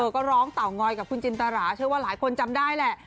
ก็ร้องเตางอยกับคุณจินตราเชื่อว่าหลายคนจำได้แหละ